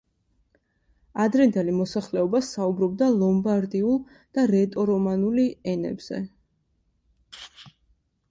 ადრინდელი მოსახლეობა საუბრობდა ლომბარდიულ და რეტორომანული ენებზე.